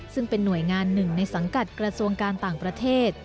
ซึ่งเป็นหน่วยงานหนึ่งในสังกัดกระทรวงการต่างประเทศ